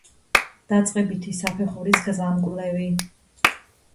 დაწყებითი საფეხურის გზამკვლევი